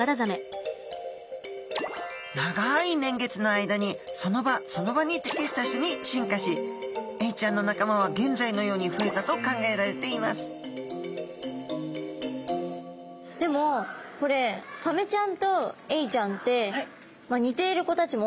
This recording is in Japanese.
長い年月の間にその場その場に適した種に進化しエイちゃんの仲間は現在のように増えたと考えられていますでもこれおお！いいことに気付かれました。